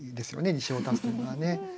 「西を発つ」というのはね。